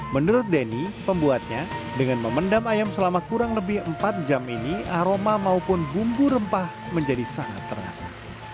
menurut denny pembuatnya dengan memendam ayam selama kurang lebih empat jam ini aroma maupun bumbu rempah menjadi sangat terasa